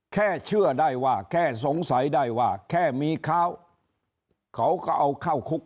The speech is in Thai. เชื่อได้ว่าแค่สงสัยได้ว่าแค่มีข้าวเขาก็เอาเข้าคุก